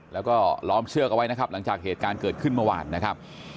แล้วก็ล้อมเชือกเอาไว้นะครับหลังจากเหตุการณ์เกิดขึ้นเมื่อวานนะครับ